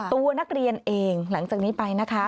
ตัวนักเรียนเองหลังจากนี้ไปนะคะ